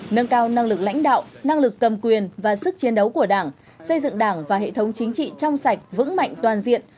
nguyên đạo năng lực cầm quyền và sức chiến đấu của đảng xây dựng đảng và hệ thống chính trị trong sạch vững mạnh toàn diện